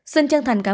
xin chân thành cảm ơn